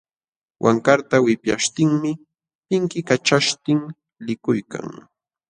Wankarta wipyaśhtinmi pinkikaćhaśhtin likuykan.